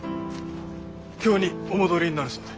京にお戻りになるそうで。